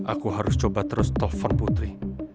aku harus coba terus telepon putri